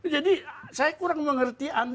jadi saya kurang mengerti anda